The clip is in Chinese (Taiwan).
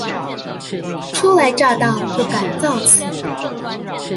初來乍到不敢造次